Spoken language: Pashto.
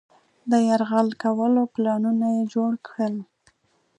د یرغل کولو پلانونه جوړ کړل.